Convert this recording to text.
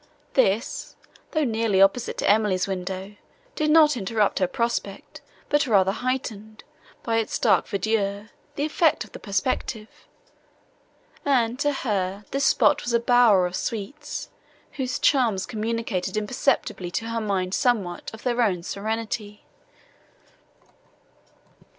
This, though nearly opposite to Emily's window, did not interrupt her prospect, but rather heightened, by its dark verdure, the effect of the perspective; and to her this spot was a bower of sweets, whose charms communicated imperceptibly to her mind somewhat of their own serenity.